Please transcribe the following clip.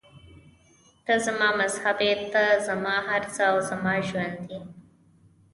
ته زما مذهب یې، ته زما هر څه او زما ژوند یې.